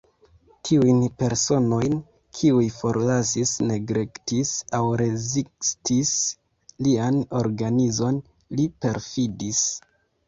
Tiujn personojn, kiuj forlasis, neglektis aŭ rezistis lian organizon, li perfidis.